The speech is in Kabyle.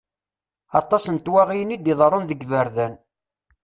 Aṭas n twaɣiyin i d-iḍerrun deg yiberdan.